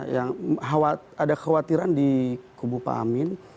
yang ada kekhawatiran di kubu pak amin